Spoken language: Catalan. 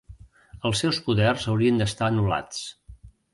Els seus poders haurien d'estar anul·lats.